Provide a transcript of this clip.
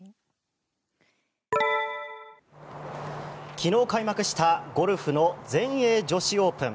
昨日開幕したゴルフの全英女子オープン。